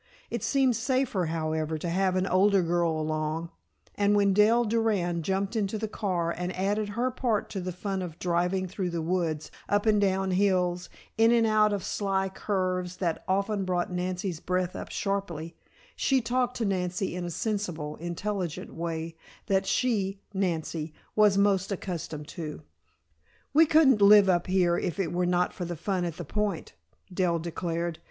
It seemed safer, however, to have an older girl along, and when Dell Durand jumped into the car and added her part to the fun of driving through the woods, up and down hills, in and out of sly curves that often brought Nancy's breath up sharply, she talked to Nancy in the sensible, intelligent way that she, Nancy, was most accustomed to. "We couldn't live up here if it were not for the fun at the Point," Dell declared.